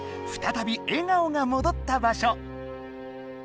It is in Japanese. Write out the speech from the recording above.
再び笑顔がもどった場所。